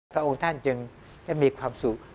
พระองค์ท่านจึงได้มีความสุข